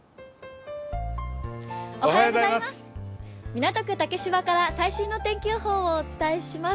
港区竹芝から最新の天気予報をお伝えします。